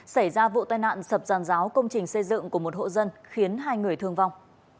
xảy ra vụ tai nạn sập giàn giáo công trình xây dựng của một hộ dân khiến hai người thương vong